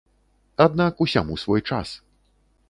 Аднак усяму свой час.